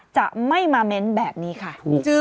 จะไม่มาเม้นแบบนี้ค่ะ